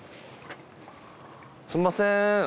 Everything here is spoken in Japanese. すみません